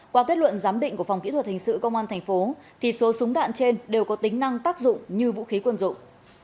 qua kết luận giám định của phòng kỹ thuật hình sự công an thành phố số súng đạn trên đều có tính năng tác dụng như vũ khí quân dụng